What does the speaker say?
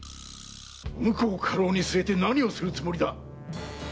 婿を家老に据えて何をするつもりだ？